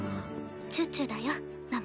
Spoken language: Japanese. チュチュだよ名前。